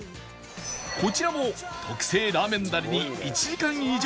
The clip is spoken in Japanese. こちらも特製ラーメンダレに１時間以上漬け込み